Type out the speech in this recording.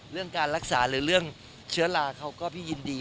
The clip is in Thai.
เรื่องการรักษาหรือเรื่องเชื้อลาเขาก็พี่ยินดี